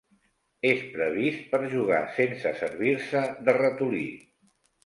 És previst per jugar sense servir-se de ratolí.